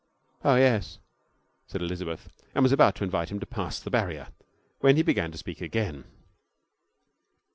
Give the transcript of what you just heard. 'Oh, yes,' said Elizabeth, and was about to invite him to pass the barrier, when he began to speak again.